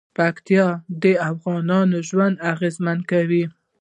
پکتیکا د افغانانو ژوند اغېزمن کوي.